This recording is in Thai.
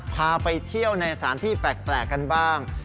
พาไปเที่ยวในสถานที่แปลกกันบ้าง